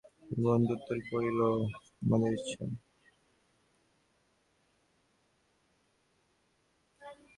তিন বন্ধু উত্তর করিল, আমাদের ইচ্ছা।